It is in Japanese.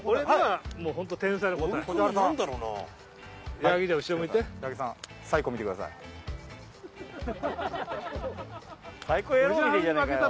はい。